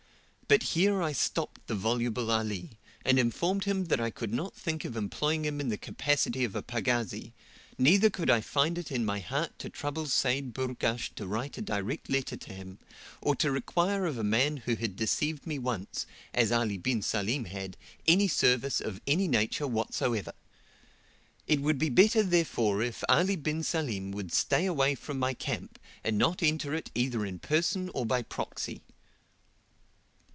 But here I stopped the voluble Ali, and informed him that I could not think of employing him in the capacity of a pagazi, neither could I find it in my heart to trouble Seyd Burghash to write a direct letter to him, or to require of a man who had deceived me once, as Ali bin Salim had, any service of any nature whatsoever. It would be better, therefore, if Ali bin Salim would stay away from my camp, and not enter it either in person or by proxy.